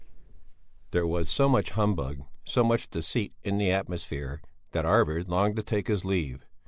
There was so much humbug, so much deceit in the atmosphere that Arvid longed to take his leave.